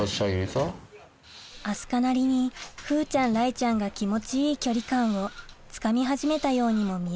明日香なりに風ちゃん雷ちゃんが気持ちいい距離感をつかみ始めたようにも見えます